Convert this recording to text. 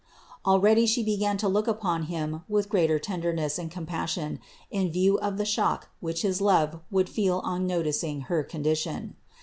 Already She began to look upon him with greater tenderness and compassion in view of the shock which his love would feel on noticing her condition.